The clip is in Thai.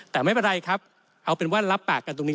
แต่ไม่เป็นไรครับเอาเป็นว่ารับปากกันตรงนี้